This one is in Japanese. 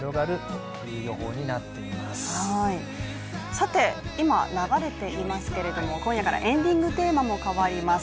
さて、今流れていますけれども今夜からエンディングテーマも変わります。